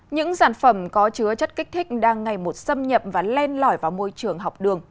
những sản phẩm có chứa chất kích thích đang ngày một xâm nhập và len lỏi vào môi trường học đường